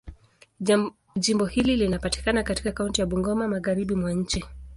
Jimbo hili linapatikana katika kaunti ya Bungoma, Magharibi mwa nchi.